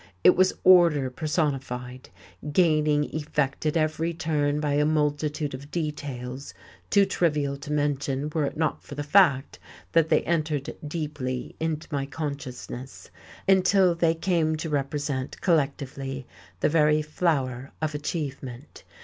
It was order personified, gaining effect at every turn by a multitude of details too trivial to mention were it not for the fact that they entered deeply into my consciousness, until they came to represent, collectively, the very flower of achievement.